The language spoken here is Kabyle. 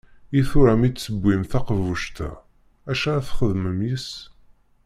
I tura mi d-tiwim taqbuct-a acu ara txedmem yis-s?